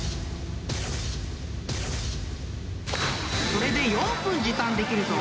［これで４分時短できるぞ］